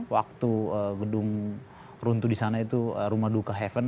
waktu gedung runtuh di sana itu rumah duka heaven